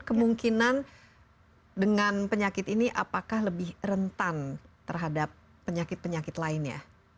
kemungkinan dengan penyakit ini apakah lebih rentan terhadap penyakit penyakit lainnya